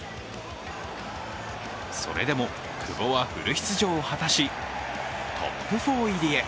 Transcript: それでも久保はフル出場を果たし、トップ４入りへ。